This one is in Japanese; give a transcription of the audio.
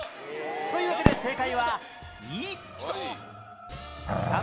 というわけで正解は胃